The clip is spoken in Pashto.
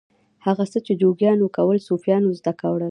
هغه څه چې جوګیانو کول صوفیانو زده کړل.